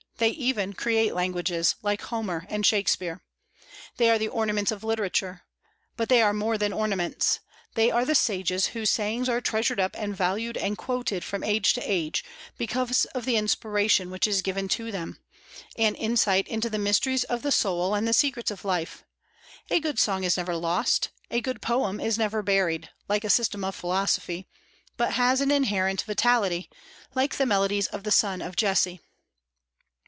They even create languages, like Homer and Shakspeare. They are the ornaments of literature. But they are more than ornaments. They are the sages whose sayings are treasured up and valued and quoted from age to age, because of the inspiration which is given to them, an insight into the mysteries of the soul and the secrets of life. A good song is never lost; a good poem is never buried, like a system of philosophy, but has an inherent vitality, like the melodies of the son of Jesse.